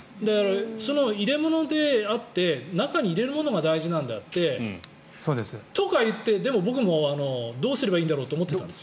入れ物であって中に入れるものが大事なのであって。とかいって、でも僕もどうすればいいんだろうって思ってたんです。